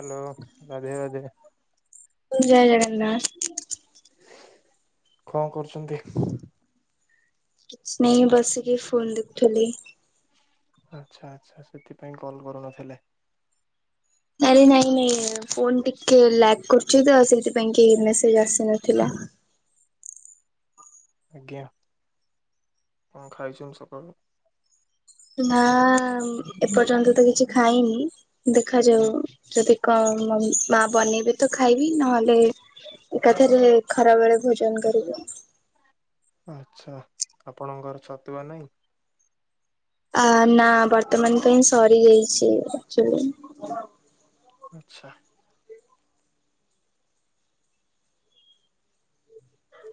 Hello, Radhe Radhe. ଜୟ ଜଗନ୍ନାଥ। କଣ କରୁଛନ୍ତି? କିଛି ନାଇଁ, ବସିକି ଫୋନ ଦେଖୁଥିଲି। ଆଚ୍ଛା ଆଚ୍ଛା ସେଥିପାଇଁ କଲ କରୁନଥିଲେ। ନାଇଁ ନାଇଁ ଫୋନ ଟିକେ ଲାକ୍ କରୁଛି ତ, ସେଥିପାଇଁ କି ମେସେଜ ଆସିନଥିଲା। ହଁ [inaudible] ଆଜ୍ଞା, କଣ ଖାଇଛନ୍ତି ସକାଳୁ। ଏ ମା, ଏପର୍ଯ୍ୟନ୍ତ ତ କିଛି ଖାଇନି, ଦେଖାଯାଉ ଯଦି କଣ। ମା ବନେଇବେ ତ ଖାଇବି, ନହେଲେ ଏକାଥରେ ଖରାବେଳେ ଭୋଜନ କରିବି। ଁ [inaudible] ଆଚ୍ଛା, ଆପଣଙ୍କର ଛତୁଆ ନାଇଁ। ଆ, ନା ବର୍ତ୍ତମାନ ପାଇଁ ସରି ଯାଇଛି ଆକଚୁଲି। ଆଚ୍ଛା।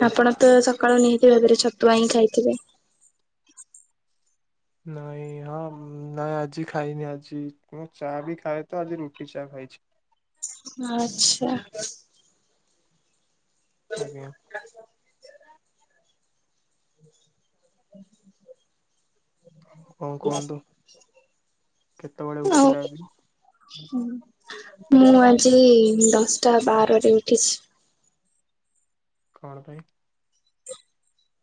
ଆପଣ ତ ସକାଳୁ ନିହାତି ଭାବରେ ଛତୁଆ ହିଁ ଖାଇଥିବେ? ନାଇଁ, ହଁ ନାଁ ଆଜି ଖାଇନି ଆଜି ମୁଁ ଚା ବି ଖାଏ ତ, ଆଜି ରୁଟି ଚା ଖାଇଛି। ଆଚ୍ଛା। ଆଜ୍ଞା। ହ [inaudible] କଣ କୁହନ୍ତୁ, କେତେବେଳେ ଉଠିଲେ ଆଜି। ହୁଁ ମୁଁ ଆଜି ଦଶଟା ବାରରେ ଉଠିଛି। କଣ ପାଇଁ?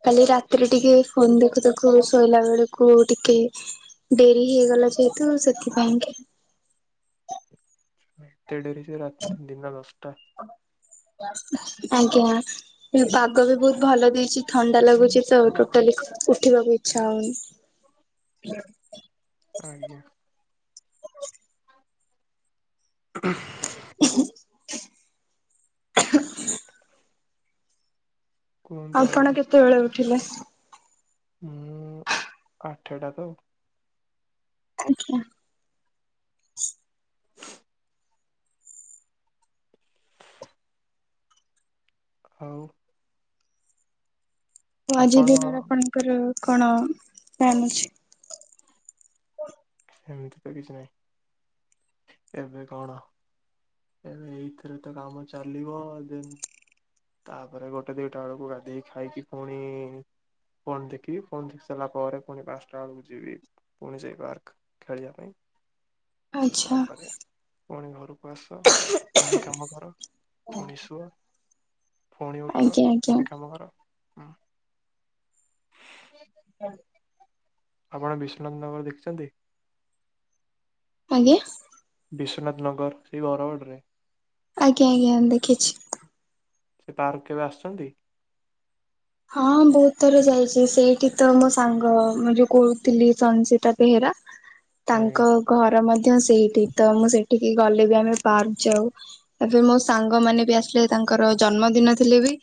କାଲି ରାତିରେ ଟିକେ, ଫୋନ ଦେଖୁ ଦେଖୁ ଶୋଇଲା ବେଳକୁ ଟିକେ। ଡେରି ହେଇଗଲା ଯେହେତୁ ସେଥିପାଇଁ କି। ଏତେ ଡେରି ଯେ ରାତି ଦିନ ଦଶଟା। ଆଜ୍ଞା, ପାଗ ବି ବହୁତ ଭଲ ଦେଇଛି ଥଣ୍ଡା ଲାଗୁଛି ସେଉଠୁ। କଇଲି କି ଉଠିବାକୁ ଇଚ୍ଛା ହଉନି। ଆଜ୍ଞା। ଅ [inaudible] [inaudible] କୁହନ୍ତୁ ଆପଣ କେତେବେଳେ ଉଠିଲେ? ହୁଁ ଆଠେଟା ତ ଆଉ। ଆଜ୍ଞା। ଆଉ। ଆଜି ଆପଣ ଦିନ ରେ ଆଣଙ୍କର। କଣ ବନୁଛି। ସେମିତି ତ କିଛି ନାହିଁ, ଏବେ କଣ? ଏବେ ଏଇଥିରେ ତ କାମ ଚାଲିବ, ଦେନ୍ ତାପରେ, ଗୋଟେ ଦିଟା ବେଳକୁ ଗାଧେଇ ଖାଇକି ପୁଣି ଫୋନ୍ ଦେଖିବି ଫୋନ୍ ଦେଖି ସାରିଲା ପରେ ପୁଣି ପାଞ୍ଚଟା ବେଳକୁ ଯିବି ପୁଣି ସେଇ ପାର୍କ। ଖେଳିବା ପାଇଁ। ଆଚ୍ଛା ତାପରେ, ପୁଣି ଘରକୁ ଆସ ପୁଣି କାମ କର। ପୁଣି ଶୁଅ ପୁଣି ଉଠ ଆଜ୍ଞା ଆଜ୍ଞା ପୁଣି କାମ କର, ହୁଁ। ହ [inaudible] [inaudible] ଆପଣ ବିଶ୍ୱନାଥ ନଗର ଦେଖିଛନ୍ତି? ଆଜ୍ଞା? ବିଶ୍ବନାଥ ନଗର ସେଇ ବରଗଡ଼ରେ। ଆଜ୍ଞା, ଆଜ୍ଞା, ଦେଖିଛି। ସେ ପାର୍କକୁ କେବେ ଆସିଛନ୍ତି? ହଁ, ବହୁତ ଥର ଯାଇଛି ସେଇଠି ତ ମୋ ସାଙ୍ଗ ମୁଁ ଯୋଉ କହୁଥିଲି ସଂଜିତା ବେହେ ରା ଆଜ୍ଞା ତାଙ୍କ ଘର ମଧ୍ୟ ସେଇଠି ତ ମୁଁ ସେ ଠିକି ଗଲେ ବି ଆମେ ପାର୍କ ଯାଉ, ତାପରେ ମୋ ସାଙ୍ଗ ମାନେ ବି ଆସିଲେ ତାଙ୍କର ଜନ୍ମଦିନ ଥିଲେ ବି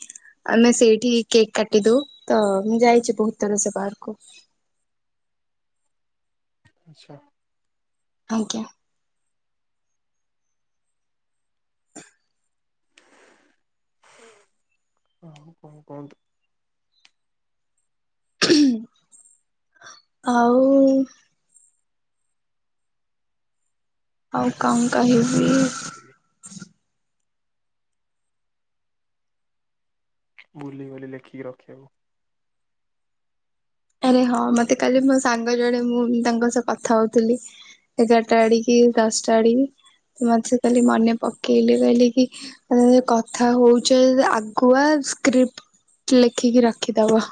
ଆମେ ସେଇଠି କେକ୍ କାଟି ଦଉ ତ ମୁଁ ଯାଇଛି ବହୁତ ଥର ସେ ପାର୍କ କୁ। ଆଛା। ଆଜ୍ଞା। ହଁ, କ'ଣ କୁହନ୍ତୁ? ହୁଁ, ଆଉ ଆଉ ଆଜି କଣ ବି ସେଇଆ କହିବି? ହଉଛି କ'ଣ କହିବି? ଭୁଲି ଗଲି ଲେଖିକି ରଖିବାକୁ। ଆରେ ହଁ, ମତେ କାଲି ମୋ ସାଙ୍ଗ ଜଣେ ମୁଁ ତାଙ୍କ ସହ କଥା ହଉଥିଲି। ଏଗାରଟା ଆଡିକି ଦଶଟା ଆଡିକି ମତେ ସେ କାଲି ମନେ ପକେଇଲେ କହିଲେ କି କଥା ହଉଛ ଆଗୁଆ ସ୍କ୍ରିପ୍ଟ ଲେଖିକି ରଖିଦବ।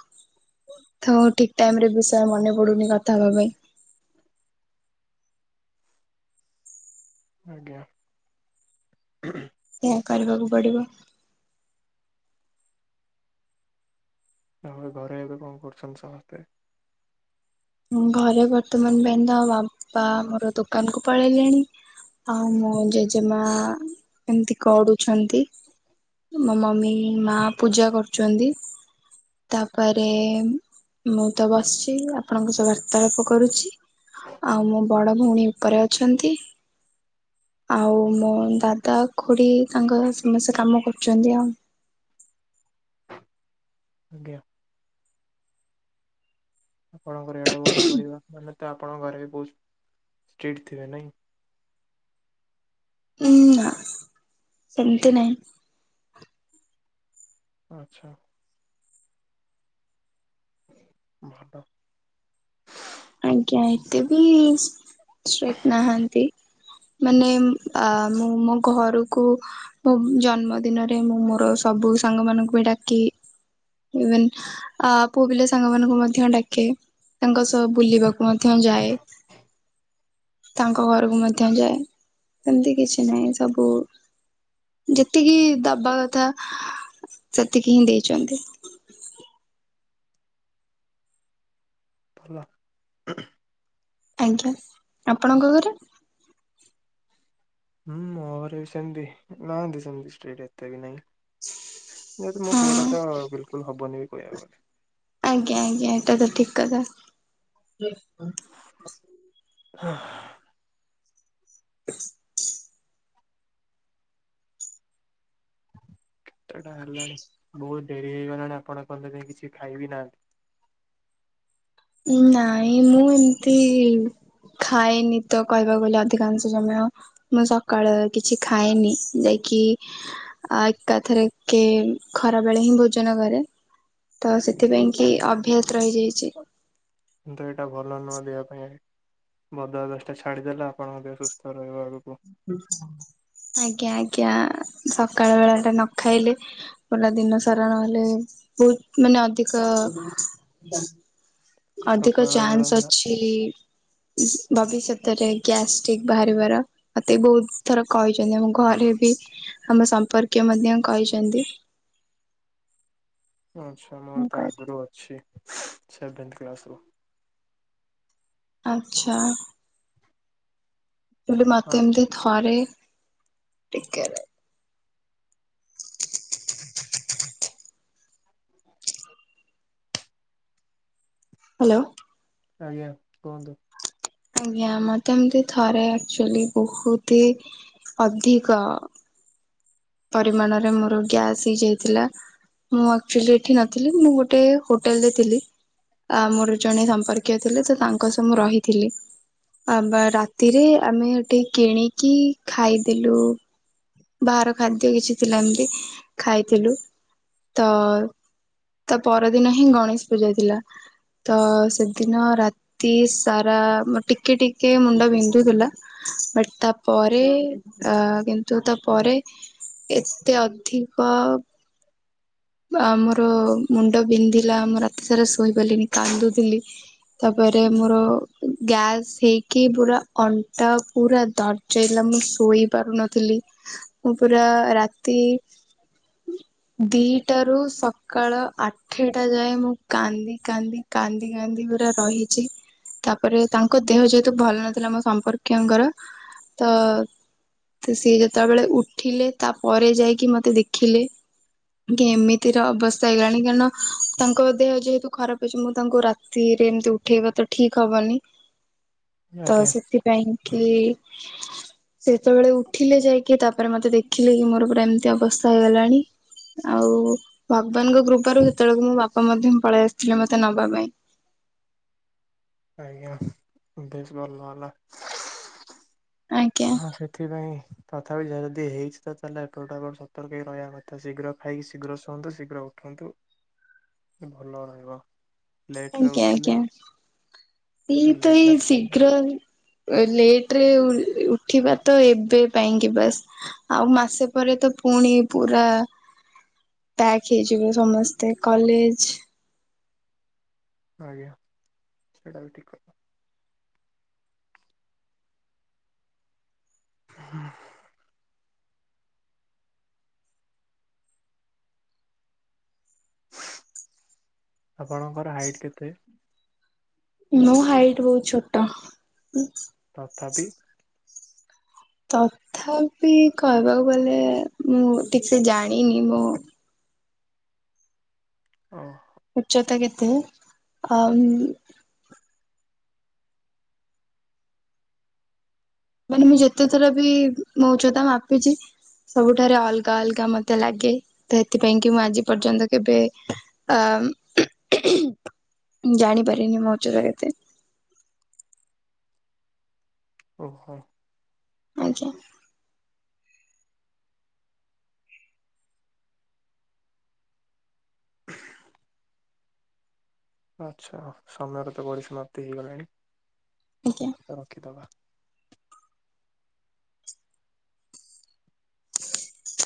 ଥ ଠିକ୍ ଟାଇମରେ ବିଷୟ ମନେ ପଡୁନି କଥା ହେବା ପାଇଁ। ଆଜ୍ଞା। ସେଇଆ କରିବାକୁ ପଡିବ। ତ ଘରେ ଏବେ କ'ଣ କରୁଛନ୍ତି ସମସ୍ତେ? ଘରେ ବର୍ତ୍ତମାନ ପାଇଁ ତ ବାପା ମୋର ଦୋକାନ କୁ ପଳେଇଲେଣି। ଆଉ ମୋ ଜେଜେମା ଏମିତି ଗଡୁଛନ୍ତି। ମୋ ମମି ମା ପୂଜା କରୁଛନ୍ତି। ତାପରେ ମୁଁ ତ ବସିଛି। ଆ ଆପଣଙ୍କ ସହ ବାର୍ତାଳାପ କରୁଛି, ଆଉ ମୋ ବଡ ଭଉଣୀ ଉପରେ ଅଛନ୍ତି। ଆଉ ମୋ ଦାଦା ଖୁଡି ତାଙ୍କ ସମସ୍ତେ କାମ କରୁଛନ୍ତି ଆଉ। [inaudible] ଆଜ୍ଞା। ଆପଣଙ୍କର ଏଡ ବଡ ପରିବାର ମାନେ ତ ଆପଣଙ୍କ ଘରେ ବି ବହୁତ ଷ୍ଟ୍ରିକ୍ଟ ଥିବେ ନାହିଁ। [inaudible] ନା ସେମିତି ନାଇଁ। ଆଚ୍ଛା। ଭଲ। ଆଜ୍ଞା, ଏତେ ବି ଷ୍ଟ୍ରିକ୍ଟ ନାହାନ୍ତି। ମାନେ ଆ ମୁଁ ମୋ ଘରକୁ ମୋ ଜନ୍ମ ଦିନରେ ମୁଁ ମୋର ସବୁ ସାଙ୍ଗମାନକୁ ବି ଡାକେ। ଇଭେନ୍ ଆ ପୁଅ ପିଲା ସାଙ୍ଗ ମାନଙ୍କୁ ମଧ୍ୟ ଡାକେ, ତାଙ୍କ ସହ ବୁଲିବାକୁ ମଧ୍ୟ ଯାଏ। ତାଙ୍କ ଘରକୁ ମଧ୍ୟ ଯାଏ ସେମିତି କିଛି ନାହିଁ ସବୁ ଯେତିକି ଦବା କଥା ସେତିକି ହିଁ ଦେଇଛନ୍ତି। [inaudible] ଭଲ। ଆଜ୍ଞା ଆପଣଙ୍କ ଘରେ ହୁଁ ମୋ ଘରେ ବି ସେମିତି ନାହାନ୍ତି ସେମତି ଷ୍ଟ୍ରେକ୍ଟ ଏତେ ବି ନାହିଁ। ମୋ ହଁ ପୁଅଟା ତ ବିଲକୁଲ ହବନି କହିବାକୁ ଗଲେ। ଆଜ୍ଞା ଆଜ୍ଞା ଏଇଟା ତ ଠିକ କଥା। ହଁ। [inaudible] କେତେଟା ହେଲାଣି ବହୁତ ଡେରି ହେଇଗଲାଣି ଆପଣ ଏପନ୍ତ ଯାଇ କିଛି ଖାଇବି ନାହାନ୍ତି। ନାଇଁ ମୁଁ ଏମିତି ଖାଏନି ତ କହିବାକୁ ଗଲେ ଅଧିକାଂଶ ସମୟ ମୁଁ ସକାଳେ କିଛି ଖାଏନି ଯାଇକି କି ଏକାଥରେକେ ଖରା ବେଳେ ହିଁ ଭୋଜନ କରେ। ତ ସେଥିପାଇଁ କି ଅଭ୍ୟାସ ରହିଯାଇଛି। କିନ୍ତୁ ଏଇଟା ଭଲ ନୁହଁ ଦେହ ପାଇଁ। ବଦ ଅଭ୍ୟାସ ଟା ଛାଡିଦେଲେ ଆପଣଙ୍କ ଦେହ ସୁସ୍ଥ ରହିବ ଆଗକୁ। ଆଜ୍ଞା ଆଜ୍ଞା। ସକାଳ ବେଳାଟା ନ ଖାଇଲେ ପୁରା ଦିନ ସାରା ନହେଲେ ବହୁତ ମାନେ ଅଧିକ ଅଧିକ ସକାଳ ବେଳା ଚାନ୍ସ ନା ଅଛି ଭବିଷ୍ୟତରେ ଗ୍ୟାଷ୍ଟିକ ବାହାରିବାର। ମତେ ବହୁତ ଥର କହିଛନ୍ତି ଆମ ଘରେ ବି, ଆମ ସମ୍ପର୍କୀୟ ମଧ୍ୟ କହିଛନ୍ତି। ଆଚ୍ଛା ମୁଁ ମୋର ତ କହିଲି ଆଗରୁ ଅଛି। ସେଭେନ୍ କ୍ଲାସ ରୁ। ଆଚ୍ଛା। ସୋଉଟୁ ମାତେ ହଁ ଏମତି ଥରେ ଟିକେ ହ୍ୟାଲୋ। ଆଜ୍ଞା କୁହନ୍ତୁ। ଆଜ୍ଞା ମତେ ଏମିତି ଥରେ ଆକ୍ଚୁଆଲି ବହୁତ ଅଧିକ ଅ ପରିମାଣରେ ମୋର ଗ୍ୟାସ୍ ହେଇ ଯାଇଥିଲା। ମୁଁ ଆକ୍ଚୁଆଲି ଏଠି ନଥିଲି। ମୁଁ ଗୋଟେ ହୋଟେଲ ରେ ଥିଲି। ଆ ମୋର ଜଣେ ସମ୍ପର୍କୀୟ ଥିଲେ ତ ତାଙ୍କ ସହ ମୁଁ ରହିଥିଲି। ଆ ବା ରାତିରେ ଆମେ ଏଠି କିଣିକି ଖାଇଦେଲୁ ବାହାର ଖାଦ୍ୟ କିଛି ଥିଲା ଏମିତି ଖାଇଥିଲୁ। ତ ତା ପରଦିନ ହିଁ ଗଣେଶ ପୂଜା ଥିଲା। ତ ସେଦିନ ରାତି ସାରା ଟିକେ ଟିକେ ମୁଣ୍ଡ ବିନ୍ଧୁଥିଲା ବଟ ତାପରେ ଆ କିନ୍ତୁ, ତା ପରେ ଏତେ ଅଧିକ ଆମର ମୁଣ୍ଡ ବିନ୍ଧିଲା ଆମ ରାତି ସାରା ଶୋଇପାରିଲିନି କାନ୍ଦୁଥିଲି। ତାପରେ ମୋର ଗ୍ୟାସ୍ ହେଇକି ପୁରା ଅଣ୍ଟା ପୁରା ଦର୍ଜ୍ ହେଇଗଲା। ମୁଁ ଶୋଇ ପାରୁନଥିଲି। ମୁଁ ପୁରା ରାତି ଦୁଇଟାରୁ ସକାଳ ଆଠଟା ଯାଏ ମୁଁ କାନ୍ଦି କାନ୍ଦି- କାନ୍ଦି କାନ୍ଦି ପୁରା ରହିଛି। ତାପରେ ତାଙ୍କ ଦେହ ଯେହେତୁ ଭଲ ନଥିଲା ମୋ ସମ୍ପର୍କୀୟଙ୍କର। ତ ତ ସିଏ ଯେତେବେଳେ ଉଠିଲେ ତା ପରେ ଯାଇକି ମତେ ଦେଖିଲେ। କି ଏମିତିର ଅବସ୍ଥା ହେଇଗଲାଣି କାରଣ ତାଙ୍କ ଦେହ ଯେହେତୁ ଖରାପ ହେଇଛି ମୁଁ ତାଙ୍କୁ ରାତିରେ ଏମତି ଉଠେଇବା ତ ଠିକ ହବନି। ତ ଆଜ୍ଞା ସେଥିପାଇଁକି ସେ ଯେତେବେଳେ ଉଠିଲେ ଯାଇକି ତାପରେ ମତେ ଦେଖିଲେ କି ମୋର ପୁରା ଏମିତି ଅବସ୍ଥା ହେଇଗଲାଣି। ଆଉ ଭଗବାନଙ୍କ କୃପାରୁ ସେତେବେଳକୁ ମୋ ବାପା ମଧ୍ୟ ପଳେଇ ଆସି ଥିଲେ ମତେ ନବା ପାଇଁ। ଆଜ୍ଞା ବେଶ୍ ଭଲ ହେଲା। ଆଜ୍ଞା ହଁ ସେଥିପାଇଁ ତଥାପି ଯଦି ହେଇଛି ତ ତାହେଲେ ଏପଟୁ ଆପଣ ସତର୍କ ରହିବା କଥା। ଶୀଘ୍ର ଖାଇକି ଶୀଘ୍ର ଶୁଅନ୍ତୁ ଶୀଘ୍ର ଉଠ ଉଠନ୍ତୁ ଭଲ ରହିବ। ଲେଟରେ ଆଜ୍ଞା ଉଠିଲେ ଆଜ୍ଞା ଏଇ ତ ଏଇ ଲେଟରେ ଖାଇଲେ ଶୀଘ୍ର ଲେଟରେ ଉଠିବା ତ ଏବେ ପାଇଁକି ବାସ୍। ଆଉ ମାସେ ପରେ ତ ପୁଣି ପୁରା ପ୍ୟାକ୍ ହେଇଯିବ ସମସ୍ତେ କଲେଜ ଆଜ୍ଞା, ସେଇଟା ବି ଠିକ୍ କଥା। ହୁଁ। ଆପଣଙ୍କର ହାଇଟ୍ କେତେ? ମୋ ହାଇଟ୍ ବହୁତ ଛୋଟ। ତଥାପି? ତଥାପି କହିବାକୁ ଗଲେ ମୁଁ ଠିକ ସେ ଜାଣିନି ମୁଁ ଓହ। ଉଚ୍ଚତା କେତେ ଆ ମାନେ ମୁଁ ଯେତେଥର ବି ମୋ ଉଚ୍ଚତା ମାପିଛି ସବୁଠାରେ ଅଲଗା ଅଲଗା ମତେ ଲାଗେ ତ ଏଥିପାଇଁ କି ମୁଁ ଆଜି ପର୍ଯ୍ୟନ୍ତ କେବେ ଅ ଆମ୍ ଉ ମୁ ଜାଣିପାରେନି ମୋ ଉଚ୍ଚତା କେତେ। ଓହୋ। ଆଜ୍ଞା। ଆଚ୍ଛା ସମୟର ତ ବଡି ସମାପ୍ତି ହେଇଗଲାଣି ଆଜ୍ଞା। ରଖିଦବା। [inaudible]